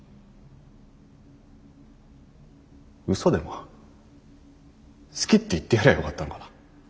うそでも好きって言ってやりゃあよかったのかな。